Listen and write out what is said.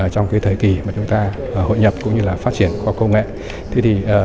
trong thời kỳ hội nhập và phát triển khoa công nghệ